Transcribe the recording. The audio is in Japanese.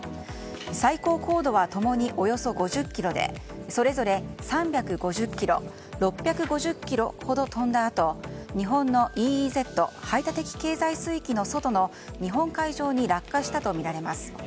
最高高度は共におよそ５０ｋｍでそれぞれ３５０ｋｍ６５０ｋｍほど飛んだあと日本のＥＥＺ・排他的経済水域の外の日本海上に落下したとみられます。